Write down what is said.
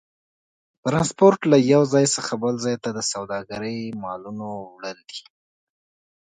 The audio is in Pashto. ترانسپورت له یو ځای څخه بل ځای ته د سوداګرۍ مالونو وړل دي.